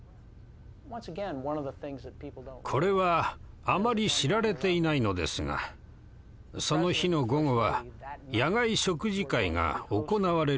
これはあまり知られていないのですがその日の午後は野外食事会が行われる予定でした。